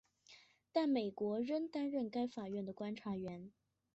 但美国仍担任该法院的观察员。